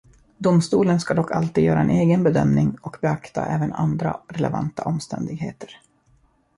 Domstolen ska dock alltid göra en egen bedömning och beakta även andra relevanta omständigheter.